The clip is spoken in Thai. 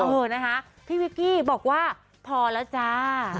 เออนะคะพี่วิกกี้บอกว่าพอแล้วจ้า